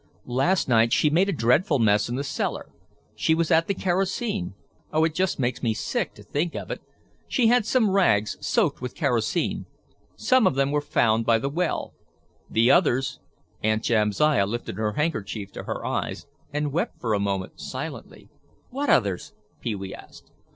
Last night she made a dreadful mess in the cellar. She was at the kerosene; oh, it makes me just sick to think of it. She had some rags soaked with kerosene. Some of them were found out by the well. The others—" Aunt Jamsiah lifted her handkerchief to her eyes and wept for a moment, silently. "What others?" Pee wee asked.